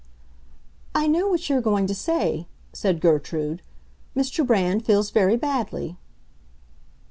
"I know what you are going to say," said Gertrude. "Mr. Brand feels very badly."